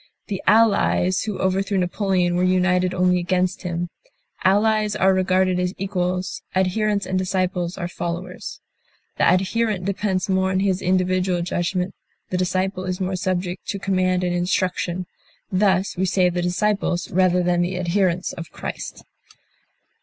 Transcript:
The Allies who overthrew Napoleon were united only against him. Allies are regarded as equals; adherents and disciples are followers. The adherent depends more on his individual judgment, the disciple is more subject to command and instruction; thus we say the disciples rather than the adherents of Christ.